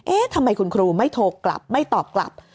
เอ๊ะทำไมคุณครูไม่โทรกลับไม่ตอบกลับ